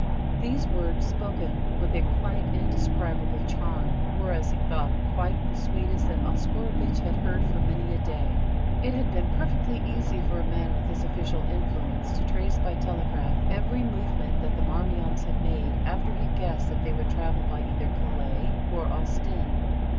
These words, spoken with a quite indescribable charm, were, as he thought, quite the sweetest that Oscarovitch had heard for many a day. It had been perfectly easy for a man with his official influence to trace by telegraph every movement that the Marmions had made after he had guessed that they would travel by either Calais or Ostend.